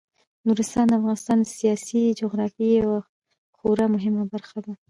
نورستان د افغانستان د سیاسي جغرافیې یوه خورا مهمه برخه ده.